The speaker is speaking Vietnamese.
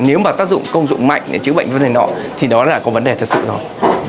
nếu mà tác dụng công dụng mạnh để chữa bệnh vấn đề nọ thì đó là có vấn đề thật sự rồi